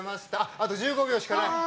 あと１５秒しかない。